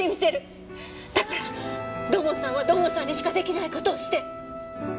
だから土門さんは土門さんにしか出来ない事をして。